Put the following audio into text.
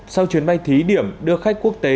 sau chuyến bay thí điểm đưa khách quốc tế